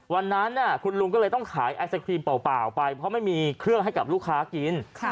วันนั้นคุณลุงก็เลยต้องขายไอศครีมเปล่าไปเพราะไม่มีเครื่องให้กับลูกค้ากิน